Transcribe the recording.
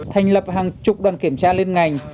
thành lập hàng chục đoàn kiểm tra lên ngành